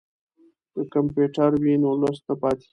که کمپیوټر وي نو لوست نه پاتې کیږي.